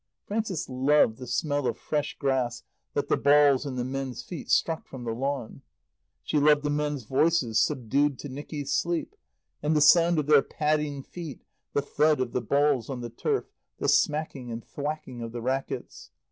Frances loved the smell of fresh grass that the balls and the men's feet struck from the lawn; she loved the men's voices subdued to Nicky's sleep, and the sound of their padding feet, the thud of the balls on the turf, the smacking and thwacking of the rackets.